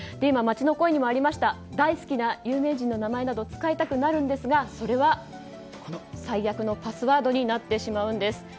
街の声にもありましたように大好きな有名人の名前など使いたくなるんですがそれは最悪のパスワードになってしまうんです。